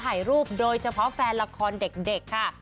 ถ่ายรูปโดยเฉพาะแฟนละครเด็กค่ะ